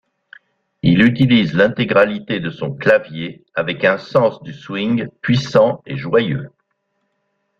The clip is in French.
Il utilise l'intégralité de son clavier avec un sens du swing puissant et joyeux.